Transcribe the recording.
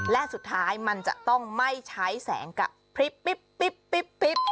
และสุดท้ายมันจะต้องไม่ใช้แสงกับพริบปิ๊บปิ๊บปิ๊บปิ๊บ